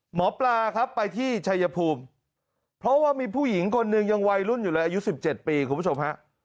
หมอปลาครับไปที่ชัยภูมิเพราะว่ามีผู้หญิงคนหนึ่งยังวัยรุ่นอยู่เลยอายุ๑๗ปีคุณผู้ชมฮะ